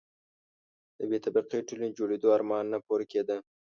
د بې طبقې ټولنې جوړېدو آرمان نه پوره کېده.